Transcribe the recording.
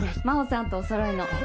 真帆さんとおそろいの。